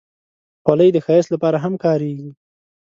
خولۍ د ښایست لپاره هم کارېږي.